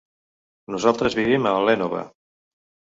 Nosaltres vivim a l'Énova.